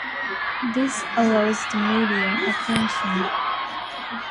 This aroused media attention.